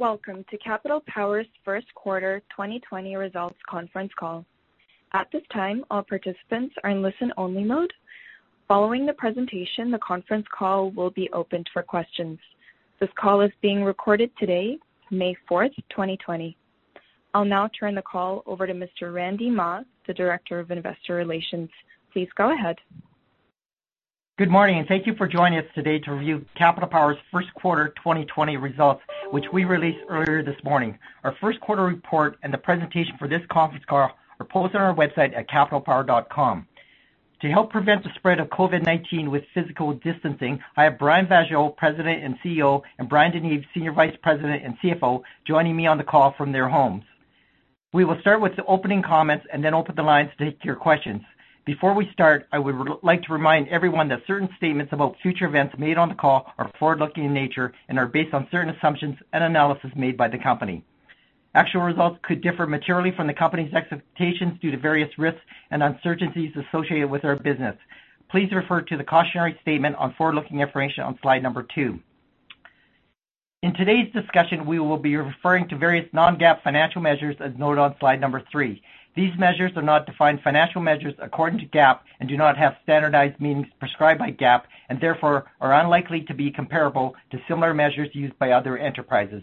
Welcome to Capital Power's first quarter 2020 results conference call. At this time, all participants are in listen-only mode. Following the presentation, the conference call will be opened for questions. This call is being recorded today, May 4th, 2020. I'll now turn the call over to Mr. Randy Mah, the Director of Investor Relations. Please go ahead. Good morning, and thank you for joining us today to review Capital Power's first quarter 2020 results, which we released earlier this morning. Our first-quarter report and the presentation for this conference call are posted on our website at capitalpower.com. To help prevent the spread of COVID-19 with physical distancing, I have Brian Vaasjo, President and CEO, and Bryan DeNeve, Senior Vice President and CFO, joining me on the call from their homes. We will start with the opening comments and then open the lines to take your questions. Before we start, I would like to remind everyone that certain statements about future events made on the call are forward-looking in nature and are based on certain assumptions and analysis made by the company. Actual results could differ materially from the company's expectations due to various risks and uncertainties associated with our business. Please refer to the cautionary statement on forward-looking information on slide number two. In today's discussion, we will be referring to various non-GAAP financial measures as noted on slide number three. These measures are not defined financial measures according to GAAP and do not have standardized meanings prescribed by GAAP and therefore are unlikely to be comparable to similar measures used by other enterprises.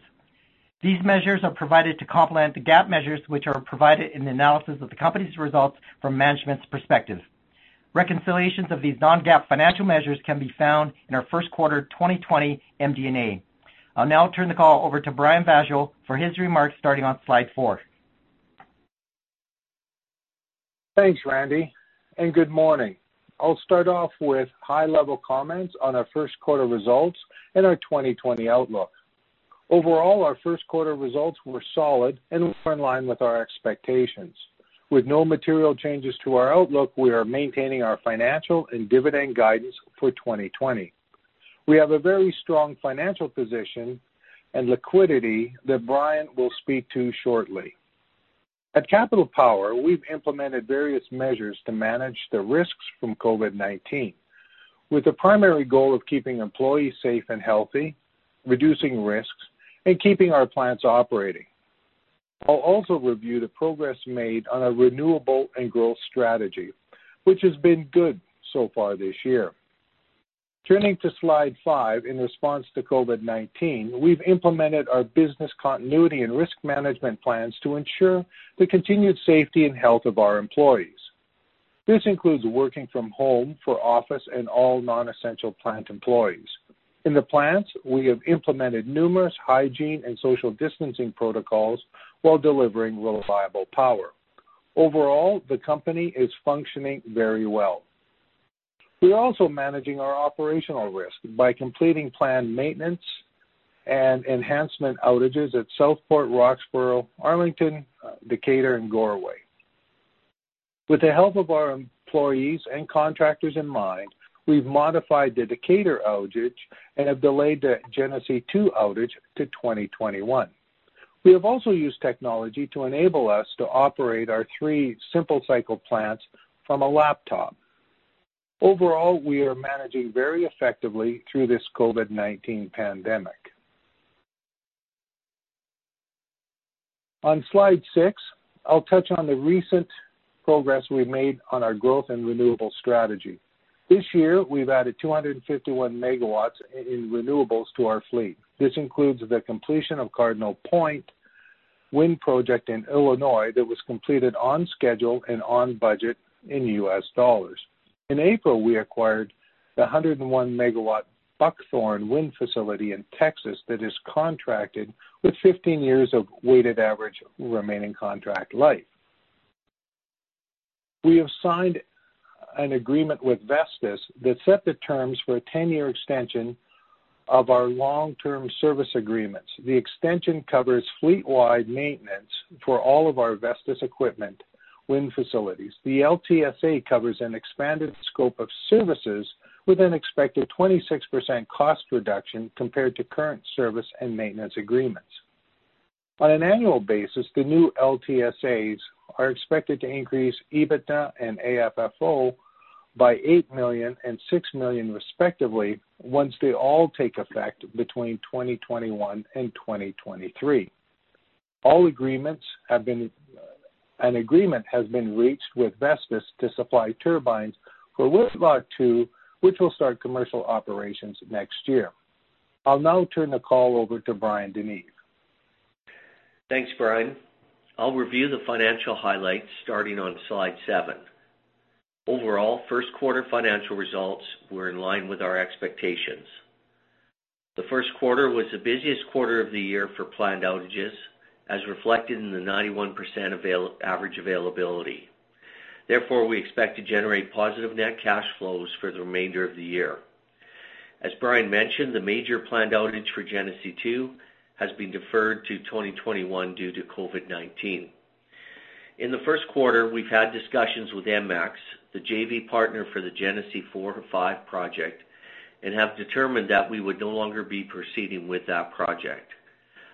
These measures are provided to complement the GAAP measures which are provided in the analysis of the company's results from management's perspective. Reconciliations of these non-GAAP financial measures can be found in our first quarter 2020 MD&A. I'll now turn the call over to Brian Vaasjo for his remarks, starting on slide four. Thanks, Randy. Good morning. I'll start off with high-level comments on our first quarter results and our 2020 outlook. Overall, our first-quarter results were solid and were in line with our expectations. With no material changes to our outlook, we are maintaining our financial and dividend guidance for 2020. We have a very strong financial position and liquidity that Bryan will speak to shortly. At Capital Power, we've implemented various measures to manage the risks from COVID-19 with the primary goal of keeping employees safe and healthy, reducing risks, and keeping our plants operating. I'll also review the progress made on our renewable and growth strategy, which has been good so far this year. Turning to slide five. In response to COVID-19, we've implemented our business continuity and risk management plans to ensure the continued safety and health of our employees. This includes working from home for office and all non-essential plant employees. In the plants, we have implemented numerous hygiene and social distancing protocols while delivering reliable power. Overall, the company is functioning very well. We are also managing our operational risk by completing planned maintenance and enhancement outages at Southport, Roxboro, Arlington, Decatur, and Goreway. With the help of our employees and contractors in mind, we've modified the Decatur outage and have delayed the Genesee 2 outage to 2021. We have also used technology to enable us to operate our three simple cycle plants from a laptop. Overall, we are managing very effectively through this COVID-19 pandemic. On slide six, I'll touch on the recent progress we've made on our growth and renewable strategy. This year, we've added 251 MW in renewables to our fleet. This includes the completion of Cardinal Point Wind Project in Illinois that was completed on schedule and on budget in US dollars. In April, we acquired the 101-megawatt Buckthorn Wind Facility in Texas that is contracted with 15 years of weighted average remaining contract life. We have signed an agreement with Vestas that set the terms for a 10-year extension of our long-term service agreements. The extension covers fleet-wide maintenance for all of our Vestas equipment wind facilities. The LTSA covers an expanded scope of services with an expected 26% cost reduction compared to current service and maintenance agreements. On an annual basis, the new LTSAs are expected to increase EBITDA and AFFO by 8 million and 6 million respectively, once they all take effect between 2021 and 2023. An agreement has been reached with Vestas to supply turbines for Whitla 2, which will start commercial operations next year. I'll now turn the call over to Bryan DeNeve. Thanks, Brian. I'll review the financial highlights starting on slide seven. Overall, first-quarter financial results were in line with our expectations. The first quarter was the busiest quarter of the year for planned outages, as reflected in the 91% average availability. Therefore, we expect to generate positive net cash flows for the remainder of the year. As Brian mentioned, the major planned outage for Genesee 2 has been deferred to 2021 due to COVID-19. In the first quarter, we've had discussions with ENMAX, the JV partner for the Genesee 4 & 5 project, and have determined that we would no longer be proceeding with that project.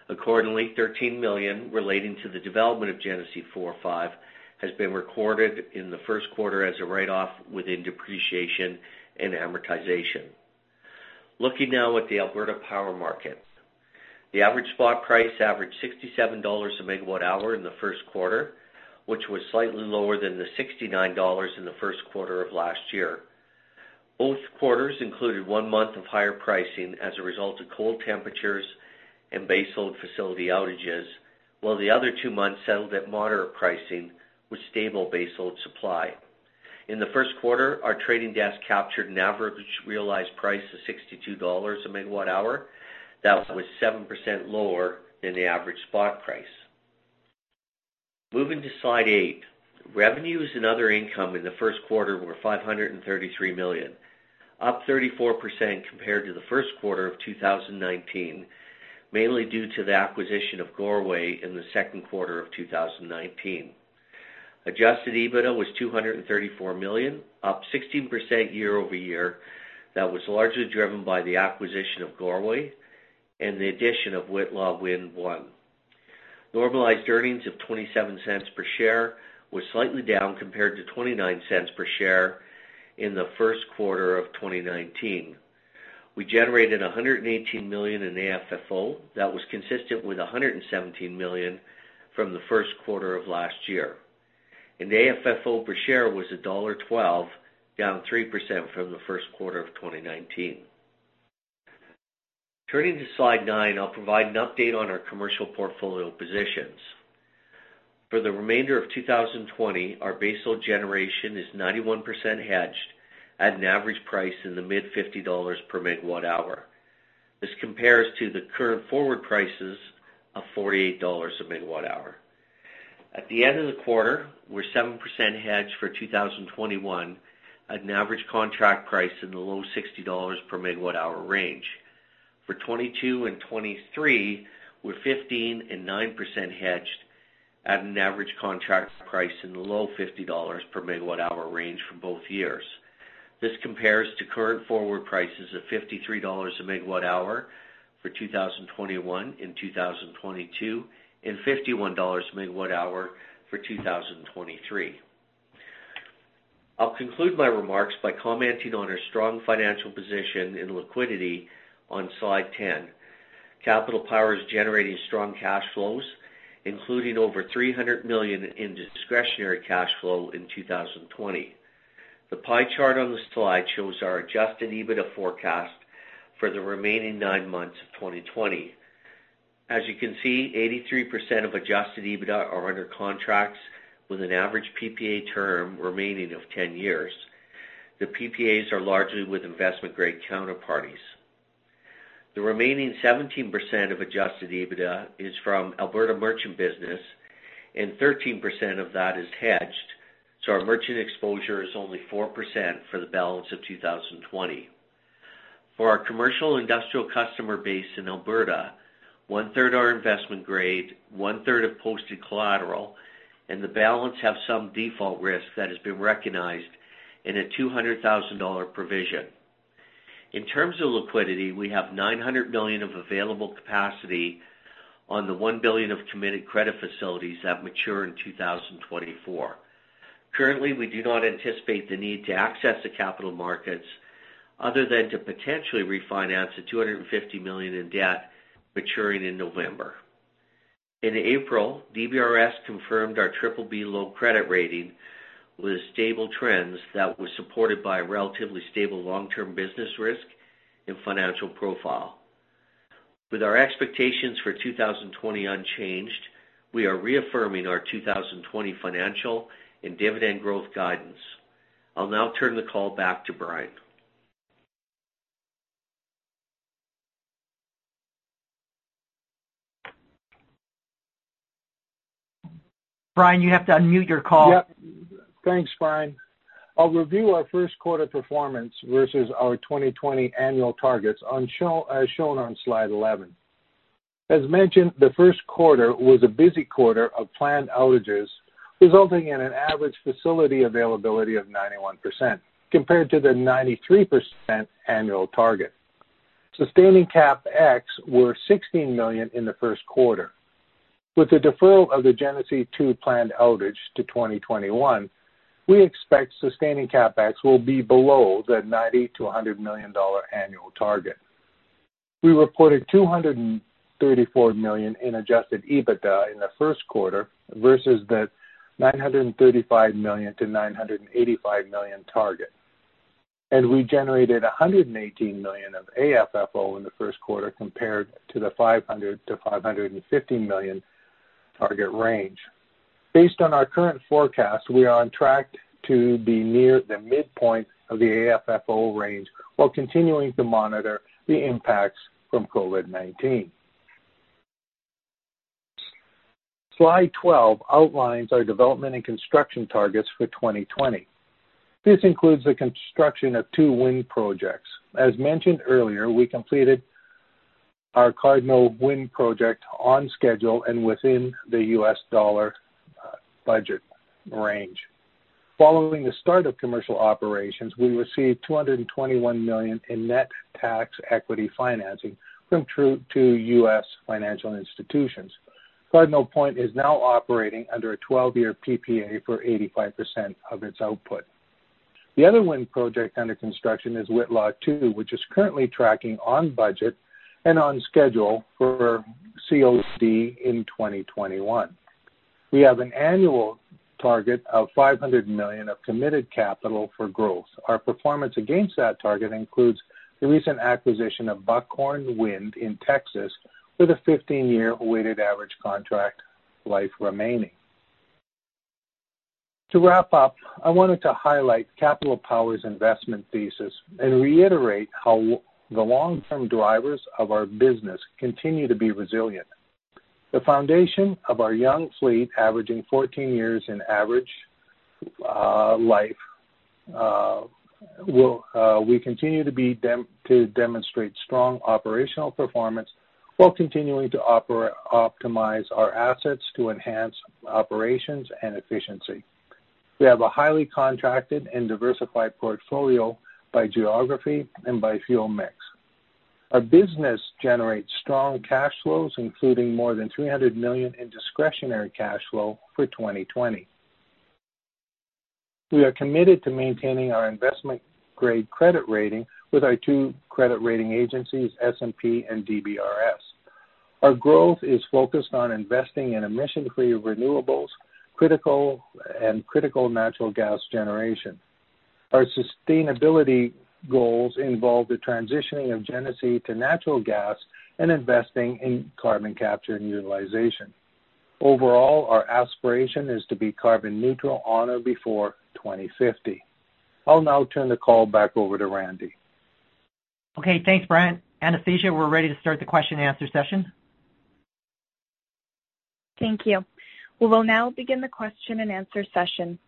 Accordingly, 13 million relating to the development of Genesee 4, 5 has been recorded in the first quarter as a write-off within depreciation and amortization. Looking now at the Alberta power market. The average spot price averaged 67 dollars a megawatt-hour in the first quarter, which was slightly lower than 69 dollars in the first quarter of last year. Both quarters included one month of higher pricing as a result of cold temperatures and baseload facility outages, while the other two months settled at moderate pricing with stable baseload supply. In the first quarter, our trading desk captured an average realized price of 62 dollars a megawatt-hour. That was 7% lower than the average spot price. Moving to slide eight. Revenues and other income in the first quarter were 533 million, up 34% compared to the first quarter of 2019, mainly due to the acquisition of Goreway in the second quarter of 2019. Adjusted EBITDA was 234 million, up 16% year-over-year. That was largely driven by the acquisition of Goreway and the addition of Whitla Wind 1. Normalized earnings of 0.27 per share were slightly down compared to 0.29 per share in the first quarter of 2019. We generated 118 million in AFFO. That was consistent with 117 million from the first quarter of last year. The AFFO per share was dollar 1.12, down 3% from the first quarter of 2019. Turning to slide nine, I'll provide an update on our commercial portfolio positions. For the remainder of 2020, our baseload generation is 91% hedged at an average price in the mid CAD 50 per megawatt-hour. This compares to the current forward prices of 48 dollars a megawatt-hour. At the end of the quarter, we're 7% hedged for 2021 at an average contract price in the low 60 dollars per megawatt-hour range. For 2022 and 2023, we're 15% and 9% hedged at an average contract price in the low 50 dollars per megawatt-hour range for both years. This compares to current forward prices of 53 dollars a megawatt-hour for 2021 and 2022, and CAD 51 a megawatt-hour for 2023. I'll conclude my remarks by commenting on our strong financial position and liquidity on slide 10. Capital Power is generating strong cash flows, including over 300 million in discretionary cash flow in 2020. The pie chart on this slide shows our adjusted EBITDA forecast for the remaining nine months of 2020. As you can see, 83% of adjusted EBITDA are under contracts with an average PPA term remaining of 10 years. The PPAs are largely with investment-grade counterparties. The remaining 17% of adjusted EBITDA is from Alberta merchant business, and 13% of that is hedged, so our merchant exposure is only 4% for the balance of 2020. For our commercial industrial customer base in Alberta, one-third are investment grade, one-third have posted collateral, and the balance have some default risk that has been recognized in a 200,000 dollar provision. In terms of liquidity, we have 900 million of available capacity on the 1 billion of committed credit facilities that mature in 2024. Currently, we do not anticipate the need to access the capital markets other than to potentially refinance the 250 million in debt maturing in November. In April, DBRS confirmed our BBB low credit rating with stable trends that were supported by a relatively stable long-term business risk and financial profile. With our expectations for 2020 unchanged, we are reaffirming our 2020 financial and dividend growth guidance. I'll now turn the call back to Brian. Brian, you have to unmute your call. Yep. Thanks, Bryan. I'll review our first quarter performance versus our 2020 annual targets as shown on slide 11. As mentioned, the first quarter was a busy quarter of planned outages, resulting in an average facility availability of 91% compared to the 93% annual target. Sustaining CapEx were 16 million in the first quarter. With the deferral of the Genesee 2 planned outage to 2021, we expect sustaining CapEx will be below the 90 million-100 million dollar annual target. We reported 234 million in adjusted EBITDA in the first quarter versus the 935 million-985 million target. We generated 118 million of AFFO in the first quarter compared to the 500 million-550 million target range. Based on our current forecast, we are on track to be near the midpoint of the AFFO range while continuing to monitor the impacts from COVID-19. Slide 12 outlines our development and construction targets for 2020. This includes the construction of two wind projects. As mentioned earlier, we completed our Cardinal Point Wind Project on schedule and within the U.S. dollar Budget range. Following the start of commercial operations, we received 221 million in net tax equity financing from two U.S. financial institutions. Cardinal Point is now operating under a 12-year PPA for 85% of its output. The other wind project under construction is Whitla Wind 2, which is currently tracking on budget and on schedule for COD in 2021. We have an annual target of 500 million of committed capital for growth. Our performance against that target includes the recent acquisition of Buckthorn Wind in Texas with a 15-year weighted average contract life remaining. To wrap up, I wanted to highlight Capital Power's investment thesis and reiterate how the long-term drivers of our business continue to be resilient. The foundation of our young fleet, averaging 14 years in average life. We continue to demonstrate strong operational performance while continuing to optimize our assets to enhance operations and efficiency. We have a highly contracted and diversified portfolio by geography and by fuel mix. Our business generates strong cash flows, including more than 300 million in discretionary cash flow for 2020. We are committed to maintaining our investment-grade credit rating with our two credit rating agencies, S&P and DBRS. Our growth is focused on investing in emission-free renewables and critical natural gas generation. Our sustainability goals involve the transitioning of Genesee to natural gas and investing in carbon capture and utilization. Overall, our aspiration is to be carbon neutral on or before 2050. I'll now turn the call back over to Randy. Okay. Thanks, Brian. Anastasia, we're ready to start the question and answer session. Thank you. We will now begin the question and answer session.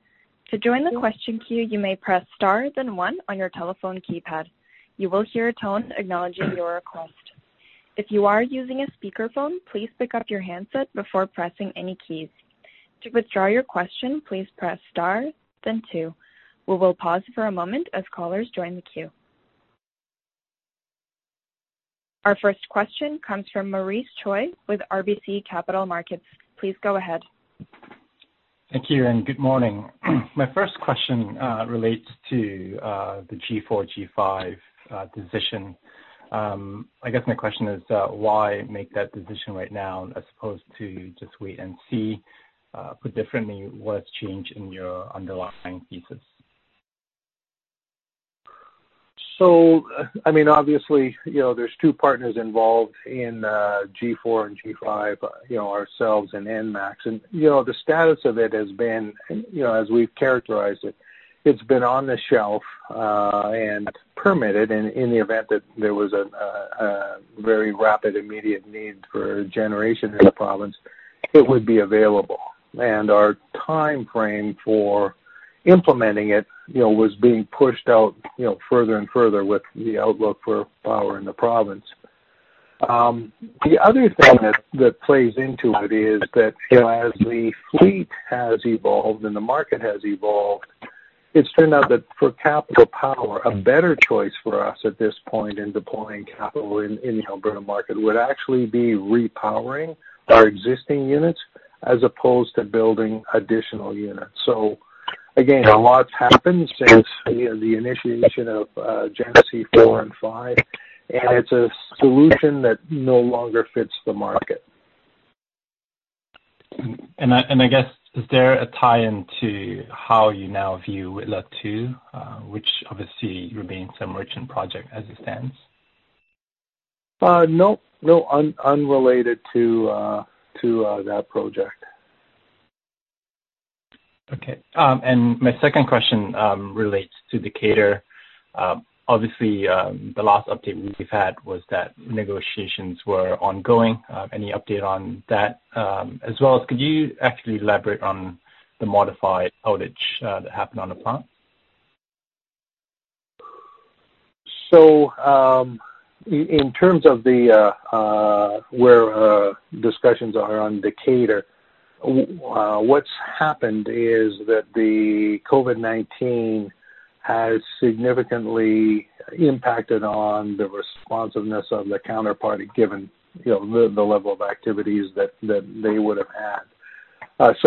To join the question queue, you may press star then one on your telephone keypad. You will hear a tone acknowledging your request. If you are using a speakerphone, please pick up your handset before pressing any keys. To withdraw your question, please press star then two. We will pause for a moment as callers join the queue. Our first question comes from Maurice Choy with RBC Capital Markets. Please go ahead. Thank you, and good morning. My first question relates to the G4, G5 decision. I guess my question is why make that decision right now as opposed to just wait and see? Put differently, what's changed in your underlying thesis? Obviously, there's two partners involved in G4 and G5, ourselves and ENMAX. The status of it has been, as we've characterized it's been on the shelf and permitted. In the event that there was a very rapid, immediate need for generation in the province, it would be available. Our timeframe for implementing it was being pushed out further and further with the outlook for power in the province. The other thing that plays into it is that as the fleet has evolved and the market has evolved, it's turned out that for Capital Power, a better choice for us at this point in deploying capital in the Alberta market would actually be repowering our existing units as opposed to building additional units. Again, a lot's happened since the initiation of Genesee four and five, and it's a solution that no longer fits the market. I guess, is there a tie-in to how you now view Whitla 2, which obviously remains a merchant project as it stands? No. Unrelated to that project. Okay. My second question relates to Decatur. Obviously, the last update we've had was that negotiations were ongoing. Any update on that? Could you actually elaborate on the modified outage that happened on the plant? In terms of where discussions are on Decatur, what's happened is that the COVID-19 has significantly impacted on the responsiveness of the counterparty given the level of activities that they would have had.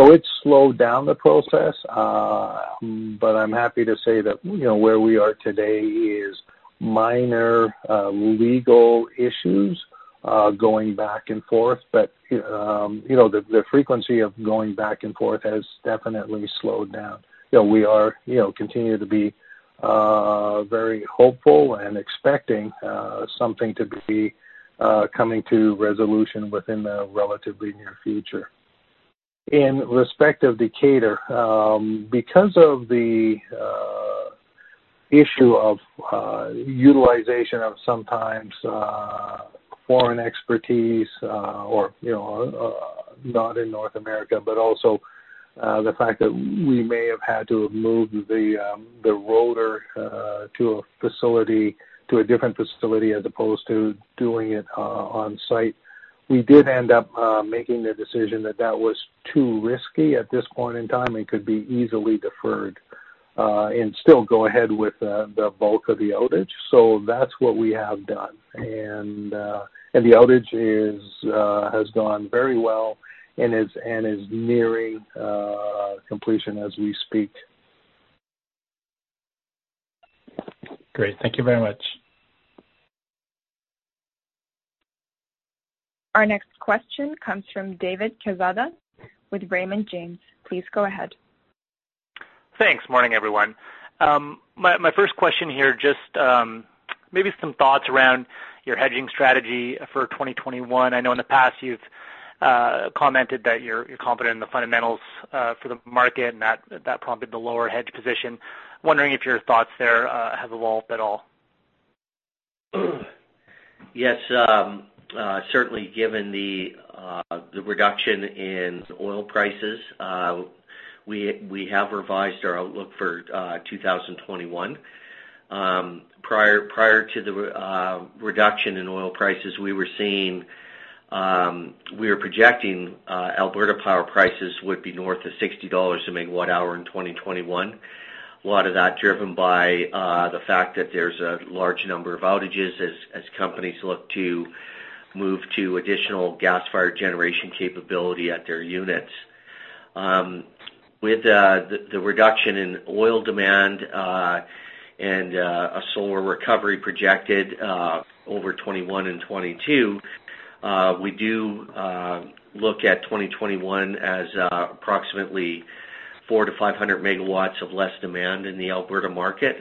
It's slowed down the process. I'm happy to say that where we are today is minor legal issues going back and forth. The frequency of going back and forth has definitely slowed down. We continue to be very hopeful and expecting something to be coming to resolution within the relatively near future. In respect of Decatur, because of the issue of utilization of sometimes foreign expertise or not in North America, but also the fact that we may have had to move the rotor to a different facility as opposed to doing it on site. We did end up making the decision that that was too risky at this point in time and could be easily deferred and still go ahead with the bulk of the outage. That's what we have done. The outage has gone very well and is nearing completion as we speak. Great. Thank you very much. Our next question comes from David Quezada with Raymond James. Please go ahead. Thanks. Morning, everyone. My first question here, just maybe some thoughts around your hedging strategy for 2021. I know in the past you've commented that you're confident in the fundamentals for the market and that prompted the lower hedge position. Wondering if your thoughts there have evolved at all. Yes. Certainly, given the reduction in oil prices, we have revised our outlook for 2021. Prior to the reduction in oil prices, we were projecting Alberta power prices would be north of 60 dollars a megawatt-hour in 2021. A lot of that driven by the fact that there's a large number of outages as companies look to move to additional gas-fired generation capability at their units. With the reduction in oil demand and a solar recovery projected over 2021 and 2022, we do look at 2021 as approximately 400 to 500 megawatts of less demand in the Alberta market.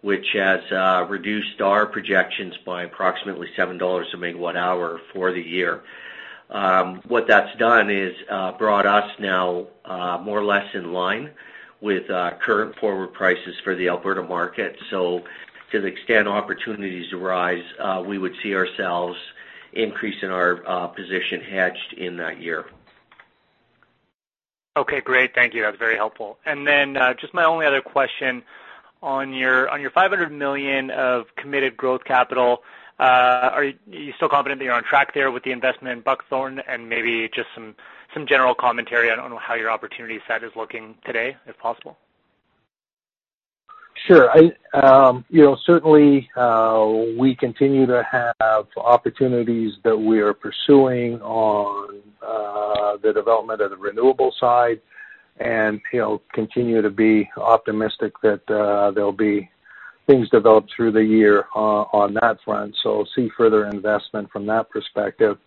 Which has reduced our projections by approximately 7 dollars a megawatt-hour for the year. What that's done is brought us now more or less in line with current forward prices for the Alberta market. To the extent opportunities arise, we would see ourselves increasing our position hedged in that year. Okay, great. Thank you. That's very helpful. Then, just my only other question, on your 500 million of committed growth capital, are you still confident that you're on track there with the investment in Buckthorn? Maybe just some general commentary on how your opportunity set is looking today, if possible. Sure. Certainly, we continue to have opportunities that we are pursuing on the development of the renewable side, and continue to be optimistic that there'll be things developed through the year on that front. See further investment from that perspective.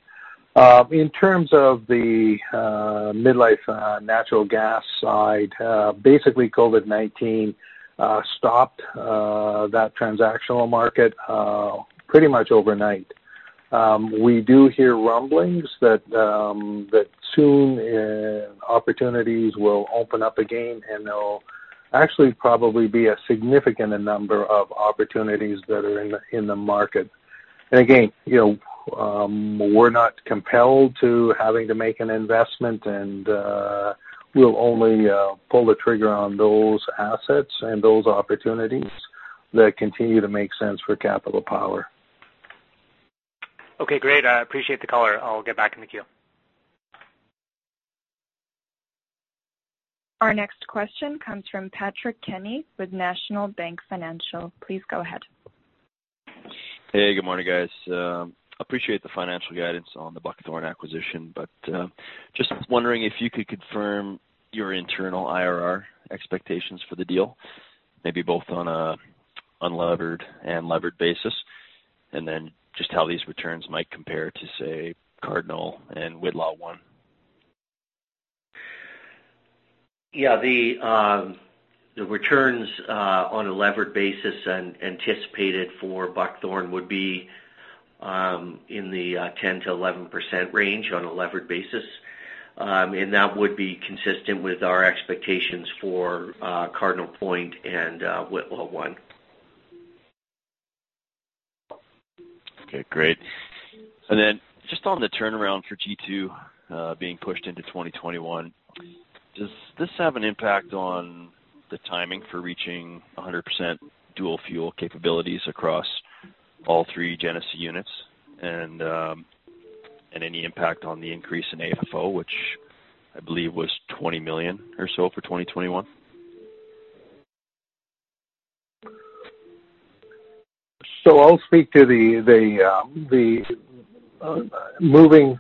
In terms of the mid-life natural gas side, basically COVID-19 stopped that transactional market pretty much overnight. We do hear rumblings that soon opportunities will open up again, and there'll actually probably be a significant number of opportunities that are in the market. Again, we're not compelled to having to make an investment, and we'll only pull the trigger on those assets and those opportunities that continue to make sense for Capital Power. Okay, great. I appreciate the color. I'll get back in the queue. Our next question comes from Patrick Kenny with National Bank Financial. Please go ahead. Hey, good morning, guys. Appreciate the financial guidance on the Buckthorn acquisition, just wondering if you could confirm your internal IRR expectations for the deal, maybe both on an unlevered and levered basis. Just how these returns might compare to, say, Cardinal and Whitla 1. Yeah. The returns on a levered basis anticipated for Buckthorn would be in the 10%-11% range on a levered basis. That would be consistent with our expectations for Cardinal Point and Whitla 1. Okay, great. Just on the turnaround for G2 being pushed into 2021, does this have an impact on the timing for reaching 100% dual-fuel capabilities across all three Genesee units? Any impact on the increase in AFFO, which I believe was 20 million or so for 2021? I'll speak to the moving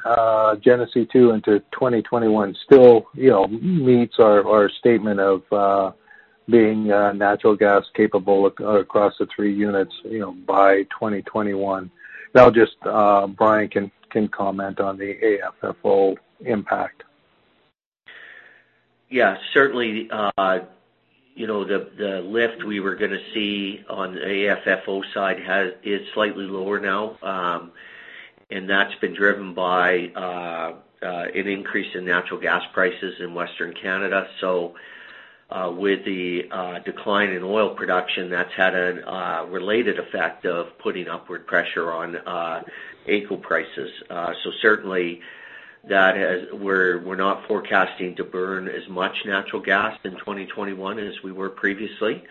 Genesee 2 into 2021. Still meets our statement of being natural gas-capable across the three units by 2021. Just Bryan can comment on the AFFO impact. Certainly, the lift we were going to see on the AFFO side is slightly lower now. That's been driven by an increase in natural gas prices in Western Canada. With the decline in oil production, that's had a related effect of putting upward pressure on AECO prices. Certainly, we're not forecasting to burn as much natural gas in 2021 as we were previously.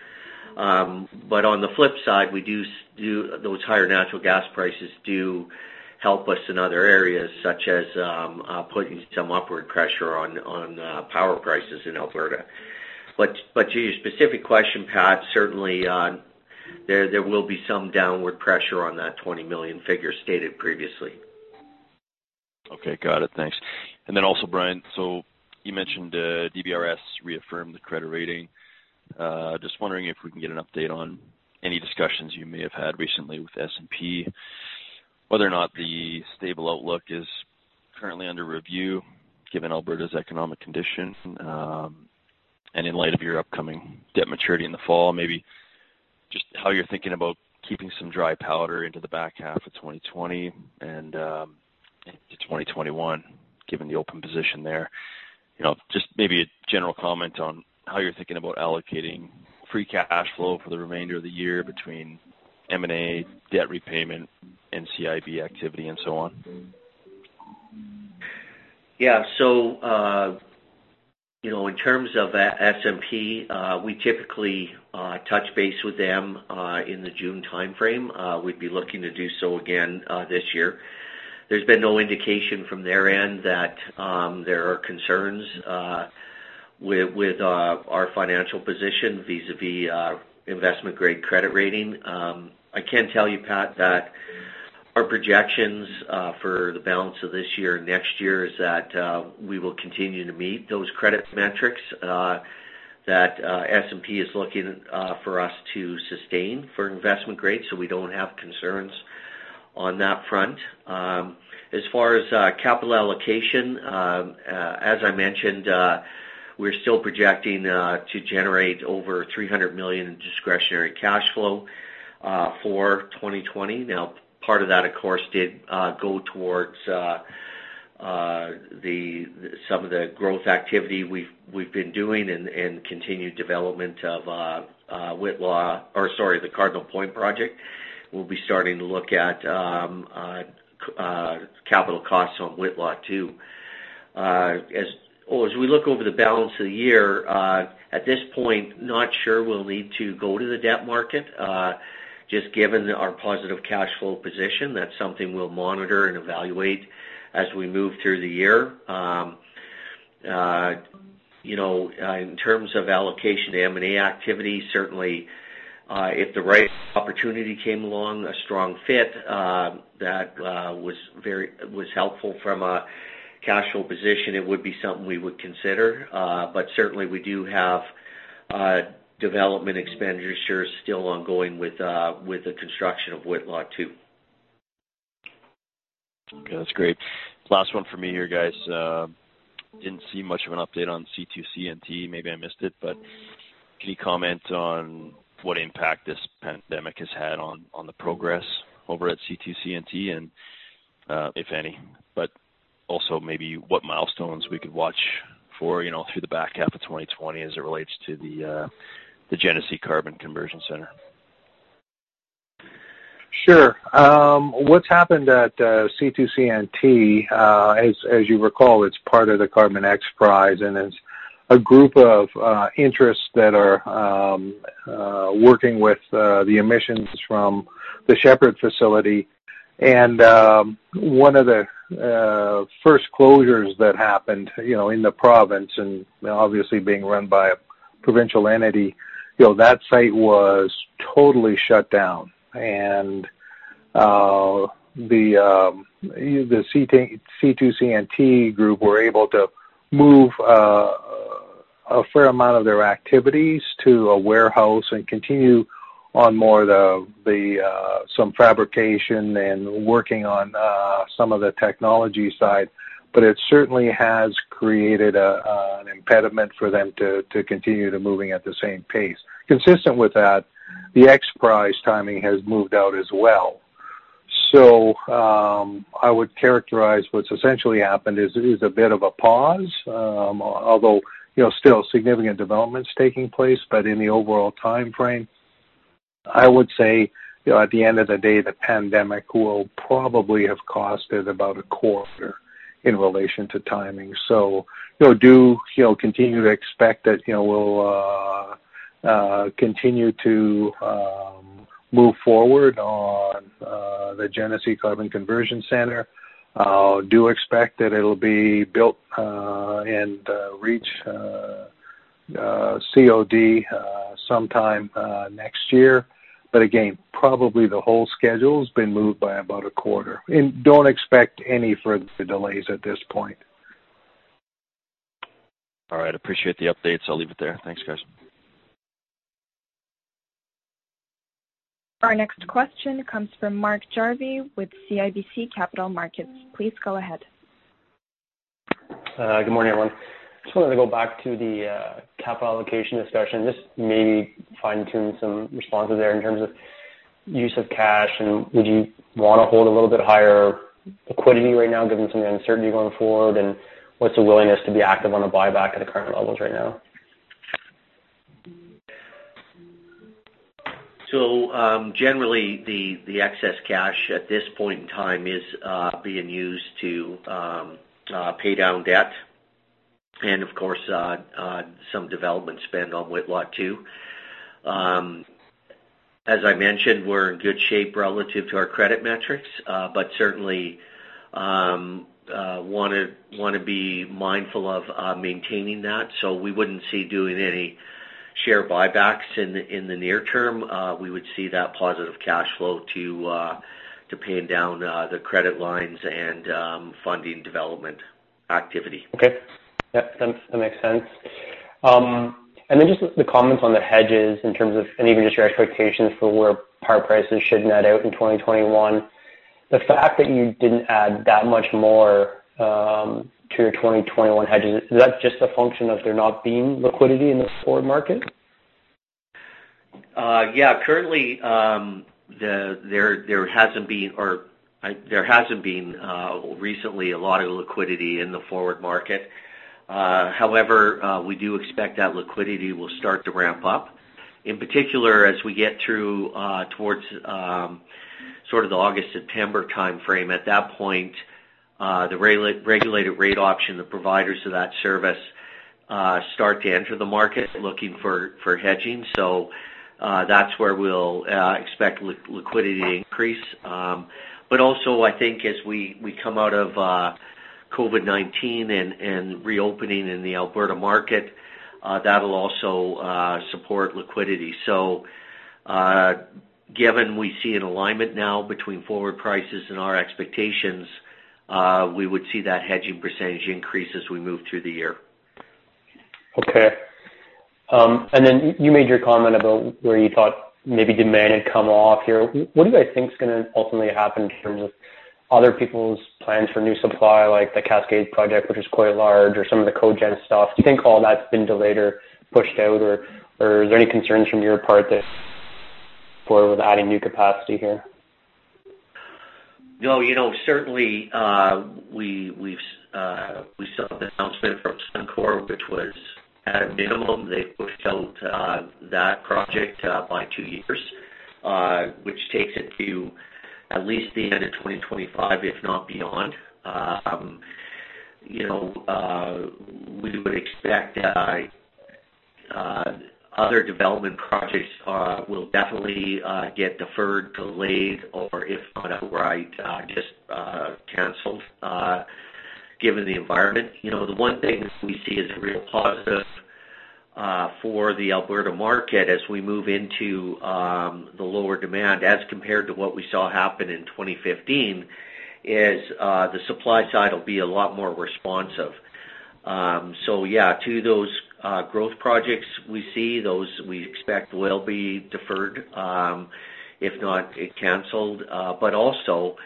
But on the flip side, those higher natural gas prices do help us in other areas, such as putting some upward pressure on power prices in Alberta. To your specific question, Pat, certainly there will be some downward pressure on that 20 million figure stated previously. Okay. Got it. Thanks. Also, Bryan, you mentioned DBRS reaffirmed the credit rating. Just wondering if we can get an update on any discussions you may have had recently with S&P, whether or not the stable outlook is currently under review given Alberta's economic condition, and in light of your upcoming debt maturity in the fall, maybe just how you're thinking about keeping some dry powder into the back half of 2020 and into 2021, given the open position there. Just maybe a general comment on how you're thinking about allocating free cash flow for the remainder of the year between M&A, debt repayment, NCIB activity, and so on. Yeah. In terms of S&P, we typically touch base with them in the June timeframe. We'd be looking to do so again this year. There's been no indication from their end that there are concerns with our financial position vis-a-vis investment-grade credit rating. I can tell you, Pat, that our projections for the balance of this year and next year is that we will continue to meet those credit metrics that S&P is looking for us to sustain for investment grade. We don't have concerns on that front. As far as capital allocation, as I mentioned, we're still projecting to generate over 300 million in discretionary cash flow for 2020. Part of that, of course, did go towards some of the growth activity we've been doing and continued development of the Cardinal Point project. We'll be starting to look at capital costs on Whitla 2. As we look over the balance of the year, at this point, not sure we'll need to go to the debt market. Just given our positive cash flow position, that's something we'll monitor and evaluate as we move through the year. In terms of allocation M&A activity, certainly, if the right opportunity came along, a strong fit that was helpful from a cash flow position, it would be something we would consider. Certainly, we do have development expenditures still ongoing with the construction of Whitla 2. Okay, that's great. Last one for me here, guys. Didn't see much of an update on C2CNT. Maybe I missed it, but can you comment on what impact this pandemic has had on the progress over at C2CNT, and if any? Also maybe what milestones we could watch for through the back half of 2020 as it relates to the Genesee Carbon Conversion Center? Sure. What's happened at C2CNT, as you recall, it's part of the Carbon XPRIZE, and it's a group of interests that are working with the emissions from the Shepard facility. One of the first closures that happened in the province, and obviously being run by a provincial entity, that site was totally shut down. The C2CNT group were able to move a fair amount of their activities to a warehouse and continue on more of some fabrication and working on some of the technology side. But it certainly has created an impediment for them to continue to moving at the same pace. Consistent with that, the XPRIZE timing has moved out as well. I would characterize what's essentially happened is a bit of a pause. Although still significant developments taking place. In the overall timeframe, I would say, at the end of the day, the pandemic will probably have costed about a quarter in relation to timing. Do continue to expect that we'll continue to move forward on the Genesee Carbon Conversion Center. Do expect that it'll be built and reach COD sometime next year. Again, probably the whole schedule has been moved by about a quarter. Don't expect any further delays at this point. All right. Appreciate the updates. I'll leave it there. Thanks, guys. Our next question comes from Mark Jarvi with CIBC Capital Markets. Please go ahead. Good morning, everyone. Just wanted to go back to the capital allocation discussion, just maybe fine-tune some responses there in terms of use of cash. Would you want to hold a little bit higher equity right now given some of the uncertainty going forward? What's the willingness to be active on a buyback at the current levels right now? Generally, the excess cash at this point in time is being used to pay down debt and of course, some development spend on Whitla 2. As I mentioned, we're in good shape relative to our credit metrics. Certainly, want to be mindful of maintaining that. We wouldn't see doing any share buybacks in the near term. We would see that positive cash flow to paying down the credit lines and funding development activity. Okay. Yeah. That makes sense. Just the comments on the hedges in terms of and even just your expectations for where power prices should net out in 2021, the fact that you didn't add that much more to your 2021 hedges, is that just a function of there not being liquidity in the forward market? Currently, there hasn't been recently a lot of liquidity in the forward market. We do expect that liquidity will start to ramp up, in particular as we get through towards sort of the August, September timeframe. At that point, the Regulated Rate Option, the providers of that service, start to enter the market looking for hedging. That's where we'll expect liquidity increase. Also, I think as we come out of COVID-19 and reopening in the Alberta market, that'll also support liquidity. Given we see an alignment now between forward prices and our expectations, we would see that hedging % increase as we move through the year. You made your comment about where you thought maybe demand had come off here. What do you guys think is going to ultimately happen in terms of other people's plans for new supply, like the Cascade Project, which is quite large, or some of the cogen stuff? Do you think all that's been delayed or pushed out, or is there any concerns from your part for adding new capacity here? No. Certainly, we saw the announcement from Suncor, which was, at a minimum, they pushed out that project by two years, which takes it to at least the end of 2025, if not beyond. We would expect other development projects will definitely get deferred, delayed or, if not outright, just canceled given the environment. The one thing we see as a real positive for the Alberta market as we move into the lower demand as compared to what we saw happen in 2015, is the supply side will be a lot more responsive. Yeah, two of those growth projects we see, those we expect will be deferred, if not canceled. Also,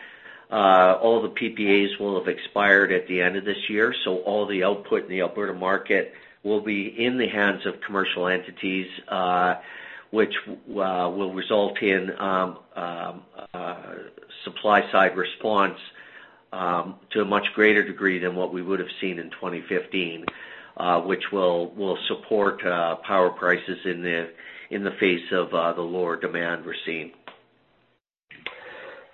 all the PPAs will have expired at the end of this year, so all the output in the Alberta market will be in the hands of commercial entities, which will result in supply-side response to a much greater degree than what we would have seen in 2015, which will support power prices in the face of the lower demand we're seeing.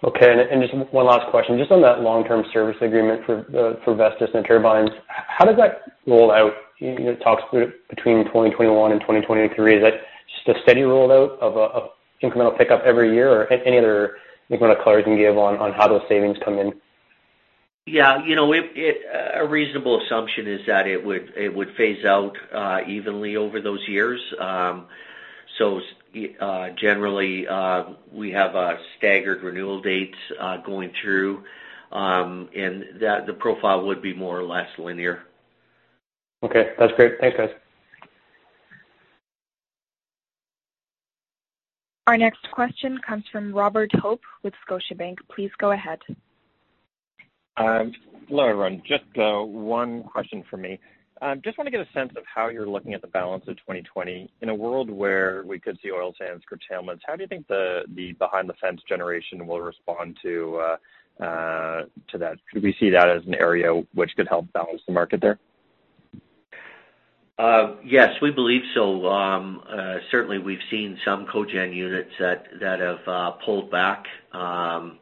Okay. Just one last question. Just on that long-term service agreement for Vestas and turbines, how does that roll out? You talked between 2021 and 2023. Is that just a steady roll-out of incremental pickup every year? Any other incremental color you can give on how those savings come in? Yeah. A reasonable assumption is that it would phase out evenly over those years. Generally, we have staggered renewal dates going through. The profile would be more or less linear. Okay. That's great. Thanks, guys. Our next question comes from Robert Hope with Scotiabank. Please go ahead. Hello, everyone. Just one question from me. Just want to get a sense of how you're looking at the balance of 2020. In a world where we could see oil sands curtailments, how do you think the behind-the-fence generation will respond to that? Could we see that as an area which could help balance the market there? Yes, we believe so. Certainly, we've seen some cogen units that have pulled back. Some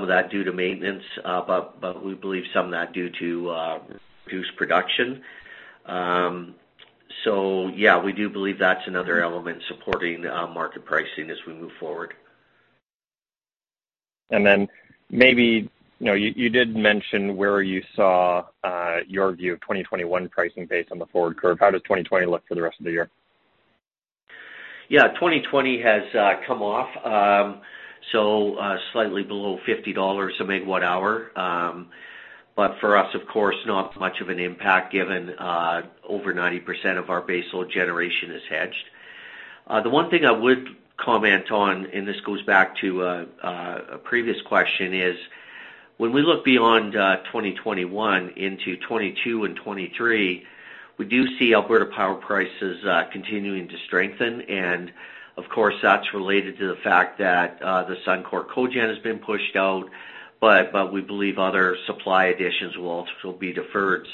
of that due to maintenance, but we believe some of that due to reduced production. Yeah, we do believe that's another element supporting market pricing as we move forward. Maybe you did mention where you saw your view of 2021 pricing based on the forward curve. How does 2020 look for the rest of the year? Yeah. 2020 has come off, so slightly below 50 dollars a megawatt-hour. For us, of course, not much of an impact given over 90% of our baseload generation is hedged. The one thing I would comment on, and this goes back to a previous question, is when we look beyond 2021 into 2022 and 2023, we do see Alberta power prices continuing to strengthen. Of course, that's related to the fact that the Suncor cogen has been pushed out. We believe other supply additions will also be deferred.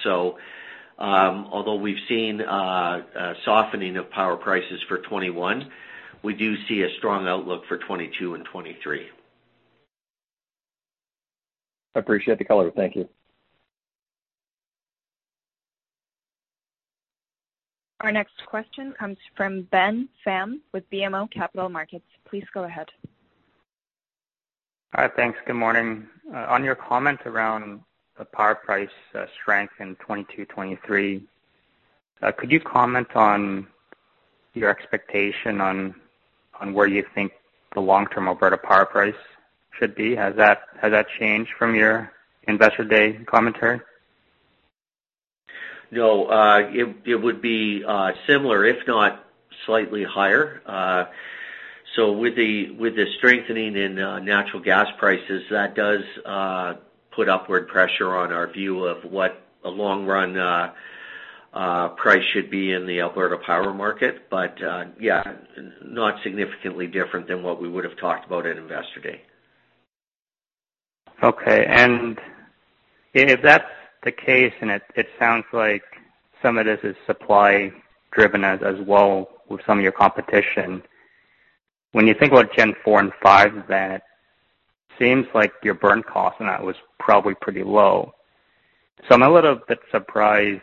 Although we've seen a softening of power prices for 2021, we do see a strong outlook for 2022 and 2023. I appreciate the color. Thank you. Our next question comes from Ben Pham with BMO Capital Markets. Please go ahead. Hi. Thanks. Good morning. On your comment around the power price strength in 2022, 2023, could you comment on your expectation on where you think the long-term Alberta power price should be? Has that changed from your Investor Day commentary? No. It would be similar, if not slightly higher. With the strengthening in natural gas prices, that does put upward pressure on our view of what a long-run price should be in the Alberta power market. Yeah, not significantly different than what we would've talked about at Investor Day. Okay. If that's the case, and it sounds like some of this is supply-driven as well with some of your competition. When you think about Gen-4 and 5, it seems like your burn cost on that was probably pretty low. I'm a little bit surprised,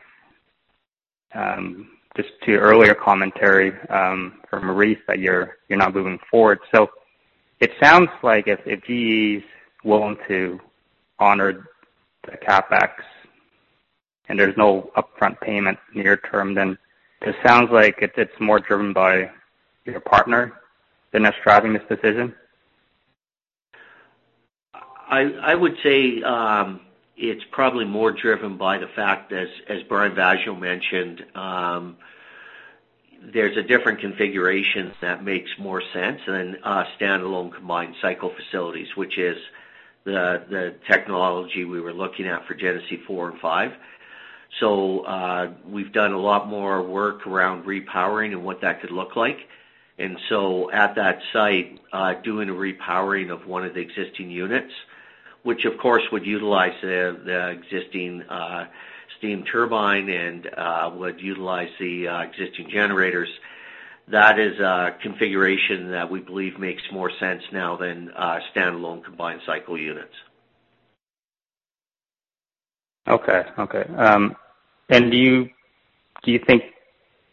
just to your earlier commentary, from Maurice that you're not moving forward. It sounds like if GE's willing to honor the CapEx and there's no upfront payment near-term, it sounds like it's more driven by your partner than us driving this decision. I would say it's probably more driven by the fact, as Brian Vaasjo mentioned, there's a different configuration that makes more sense than standalone combined cycle facilities, which is the technology we were looking at for Genesee four and five. We've done a lot more work around repowering and what that could look like. At that site, doing a repowering of one of the existing units, which of course would utilize the existing steam turbine and would utilize the existing generators. That is a configuration that we believe makes more sense now than standalone combined cycle units. Okay. Do you think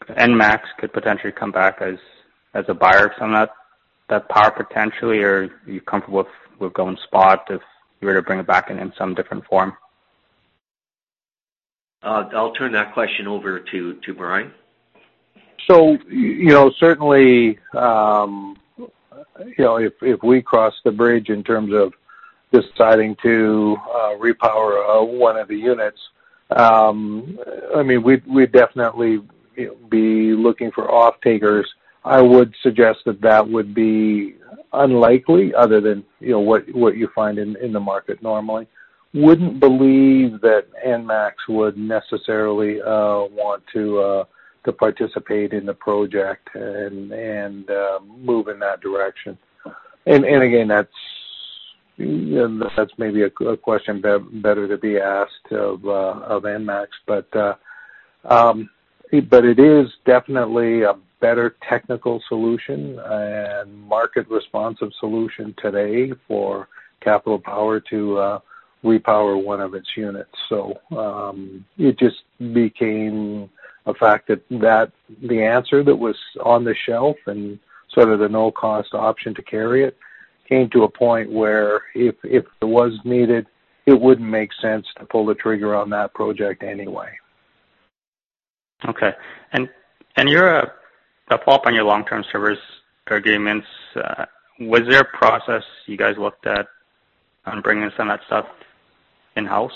ENMAX could potentially come back as a buyer of some of that power potentially, or are you comfortable with going spot if you were to bring it back in in some different form? I'll turn that question over to Brian. Certainly, if we cross the bridge in terms of deciding to repower one of the units, we'd definitely be looking for off-takers. I would suggest that that would be unlikely other than what you find in the market normally. Wouldn't believe that ENMAX would necessarily want to participate in the project and move in that direction. Again, that's maybe a question better to be asked of ENMAX. It is definitely a better technical solution and market-responsive solution today for Capital Power to repower one of its units. It just became a fact that the answer that was on the shelf and sort of the no-cost option to carry it came to a point where if it was needed, it wouldn't make sense to pull the trigger on that project anyway. Okay. To follow up on your long-term service agreements, was there a process you guys looked at on bringing some of that stuff in-house?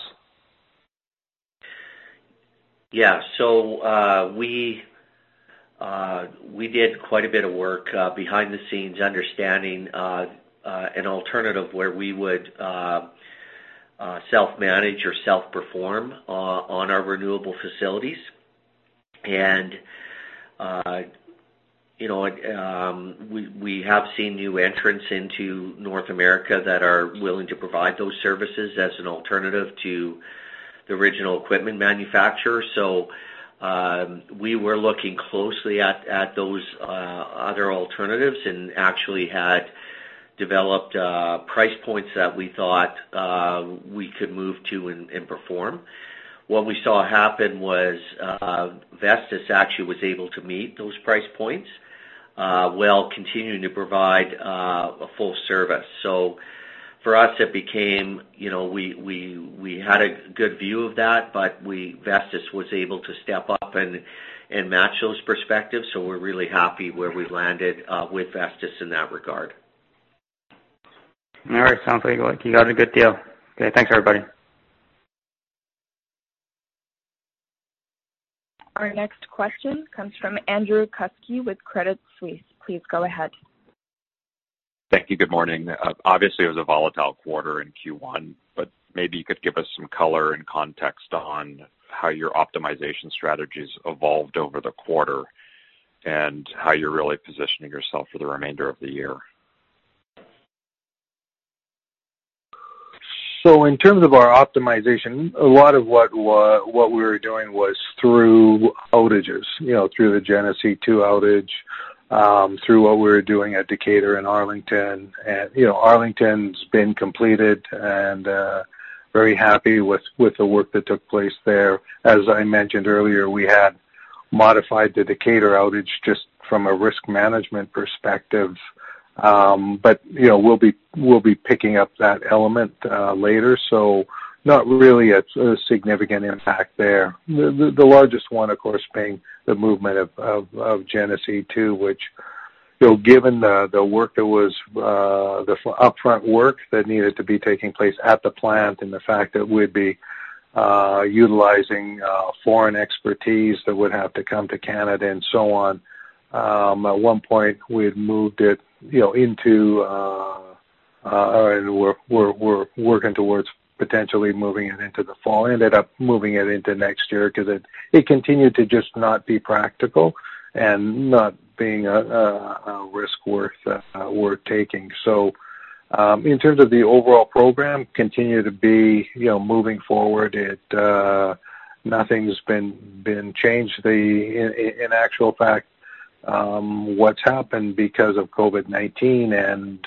Yeah. We did quite a bit of work behind the scenes understanding an alternative where we would self-manage or self-perform on our renewable facilities. We have seen new entrants into North America that are willing to provide those services as an alternative to the original equipment manufacturer. We were looking closely at those other alternatives and actually had developed price points that we thought we could move to and perform. What we saw happen was Vestas actually was able to meet those price points while continuing to provide a full service. For us, we had a good view of that, but Vestas was able to step up and match those perspectives. We're really happy where we landed with Vestas in that regard. All right. Sounds like you got a good deal. Okay. Thanks, everybody. Our next question comes from Andrew Kuske with Credit Suisse. Please go ahead. Thank you. Good morning. Obviously, it was a volatile quarter in Q1, but maybe you could give us some color and context on how your optimization strategies evolved over the quarter and how you're really positioning yourself for the remainder of the year. In terms of our optimization, a lot of what we were doing was through outages. Through the Genesee 2 outage. Through what we're doing at Decatur and Arlington. Arlington's been completed, and very happy with the work that took place there. As I mentioned earlier, we had modified the Decatur outage just from a risk management perspective. We'll be picking up that element later, so not really a significant impact there. The largest one, of course, being the movement of Genesee 2, which given the upfront work that needed to be taking place at the plant and the fact that we'd be utilizing foreign expertise that would have to come to Canada and so on. At one point we had moved it, or were working towards potentially moving it into the fall. Ended up moving it into next year because it continued to just not be practical and not being a risk worth taking. In terms of the overall program, continue to be moving forward. Nothing's been changed. In actual fact, what's happened because of COVID-19 and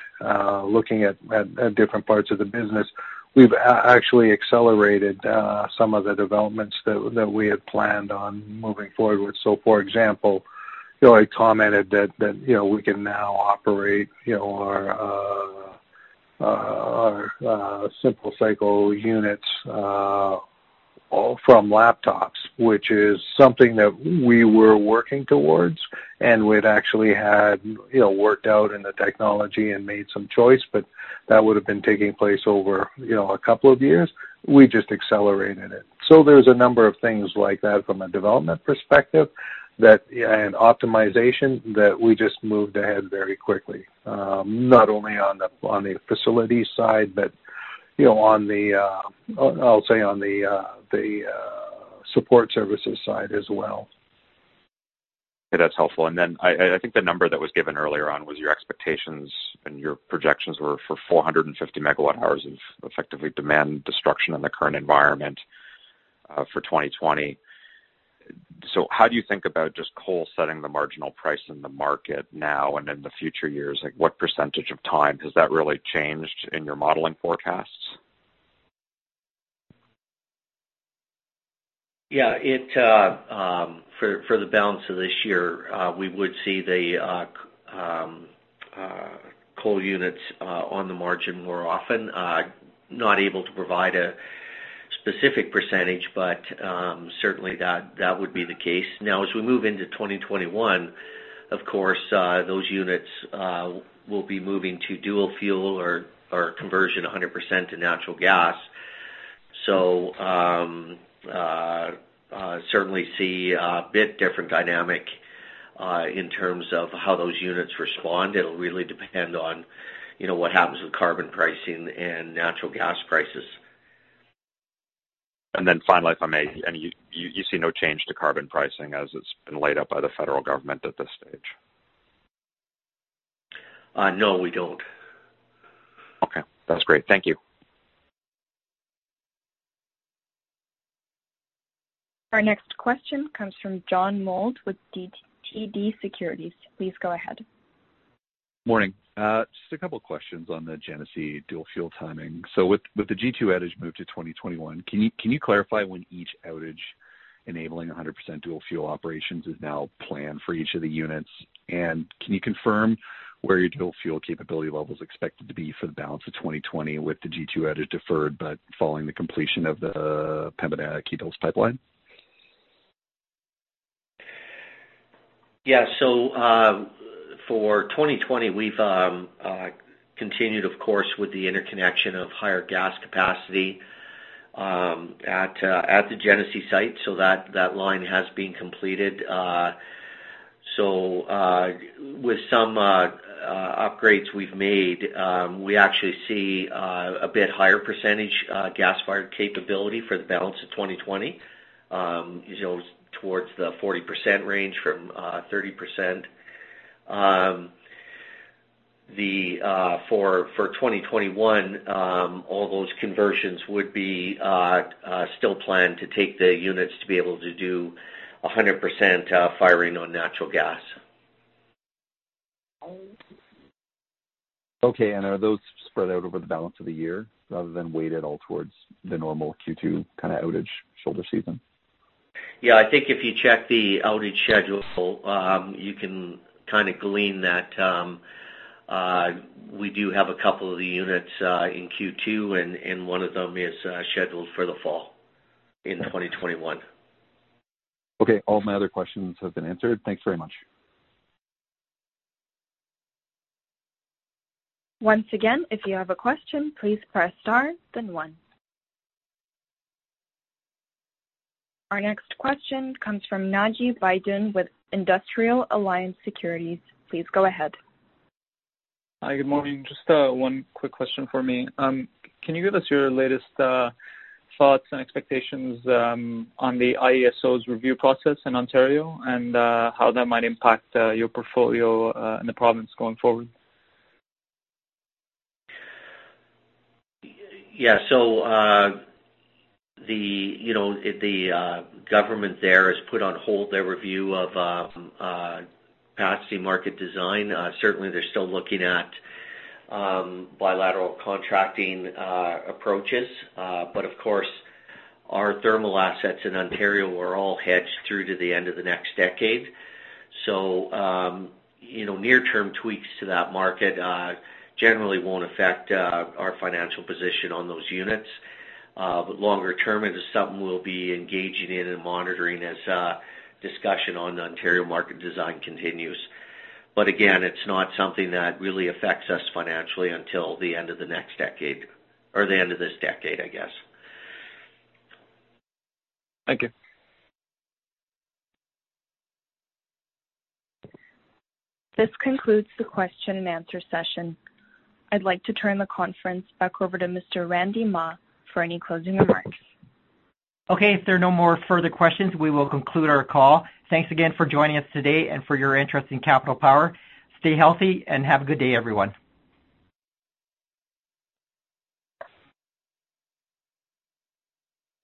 looking at different parts of the business, we've actually accelerated some of the developments that we had planned on moving forward with. For example, I commented that we can now operate our simple cycle units all from laptops, which is something that we were working towards and we'd actually had worked out in the technology and made some choice, but that would've been taking place over a couple of years. We just accelerated it. There's a number of things like that from a development perspective and optimization that we just moved ahead very quickly. Not only on the facilities side but I'll say on the support services side as well. Okay, that's helpful. Then I think the number that was given earlier on was your expectations, and your projections were for 450 megawatt-hours of effectively demand destruction in the current environment for 2020. How do you think about just coal setting the marginal price in the market now and in the future years? What percentage of time has that really changed in your modeling forecasts? Yeah. For the balance of this year, we would see the coal units on the margin more often. Not able to provide a specific percentage, certainly that would be the case. As we move into 2021, of course, those units will be moving to dual fuel or conversion 100% to natural gas. Certainly see a bit different dynamic in terms of how those units respond. It'll really depend on what happens with carbon pricing and natural gas prices. Finally, if I may, and you see no change to carbon pricing as it's been laid out by the federal government at this stage? No, we don't. Okay. That's great. Thank you. Our next question comes from John Mould with TD Securities. Please go ahead. Morning. Just a couple questions on the Genesee dual fuel timing. With the G2 outage moved to 2021, can you clarify when each outage enabling 100% dual fuel operations is now planned for each of the units? Can you confirm where your dual fuel capability level is expected to be for the balance of 2020 with the G2 outage deferred, but following the completion of the Pembina Cardium pipeline? For 2020, we've continued, of course, with the interconnection of higher gas capacity at the Genesee site, so that line has been completed. With some upgrades we've made, we actually see a bit higher percentage gas fire capability for the balance of 2020, towards the 40% range from 30%. For 2021, all those conversions would be still planned to take the units to be able to do 100% firing on natural gas. Okay, are those spread out over the balance of the year rather than weighted all towards the normal Q2 outage shoulder season? Yeah, I think if you check the outage schedule, you can kind of glean that we do have a couple of the units in Q2, and one of them is scheduled for the fall in 2021. Okay. All my other questions have been answered. Thanks very much. Once again, if you have a question, please press star then one. Our next question comes from Naji Baydoun with Industrial Alliance Securities. Please go ahead. Hi, good morning. Just one quick question for me. Can you give us your latest thoughts and expectations on the IESO's review process in Ontario and how that might impact your portfolio in the province going forward? Yeah, the government there has put on hold their review of capacity market design. Certainly, they're still looking at bilateral contracting approaches. Of course, our thermal assets in Ontario are all hedged through to the end of the next decade. Near-term tweaks to that market generally won't affect our financial position on those units. Longer term, it is something we'll be engaging in and monitoring as discussion on the Ontario market design continues. Again, it's not something that really affects us financially until the end of the next decade or the end of this decade, I guess. Thank you. This concludes the question and answer session. I'd like to turn the conference back over to Mr. Randy Mah for any closing remarks. Okay. If there are no more further questions, we will conclude our call. Thanks again for joining us today and for your interest in Capital Power. Stay healthy and have a good day, everyone.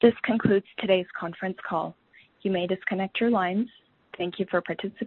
This concludes today's conference call. You may disconnect your lines. Thank you for participating.